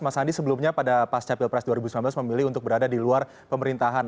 mas andi sebelumnya pada pasca pilpres dua ribu sembilan belas memilih untuk berada di luar pemerintahan